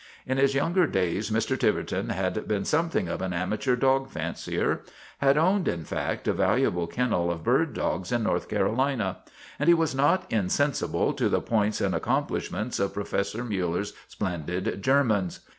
In his younger days Mr. Tiverton had been something of an amateur dog fancier had owned, in fact, a valuable kennel of bird dogs in North Carolina and he was not insensible to the points and accomplishments of Professor Miiller's splendid Germans.